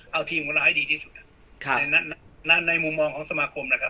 เอาทีมของเราให้ดีที่สุดในมุมมองของสมาคมนะครับ